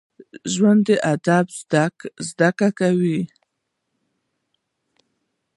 ژوندي ادب زده کوي